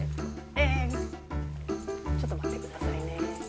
えちょっと待ってくださいね。